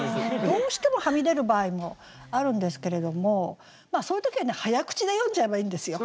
どうしてもはみ出る場合もあるんですけれどもそういう時はね早口で読んじゃえばいいんですよ。